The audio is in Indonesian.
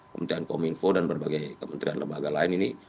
kementerian kominfo dan berbagai kementerian lembaga lain ini